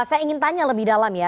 saya ingin tanya lebih dalam ya